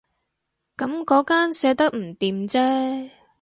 噉嗰間寫得唔掂啫